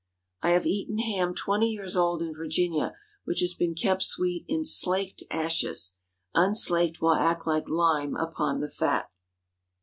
I have eaten ham twenty years old in Virginia, which had been kept sweet in slaked ashes. Unslaked will act like lime upon the fat.